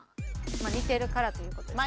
似てるからという事ですね。